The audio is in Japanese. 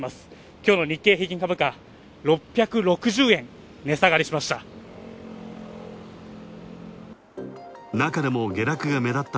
今日の日経平均株価、６６０円値下がりしました。